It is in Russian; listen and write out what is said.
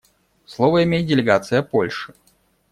Слово имеет делегация Польши.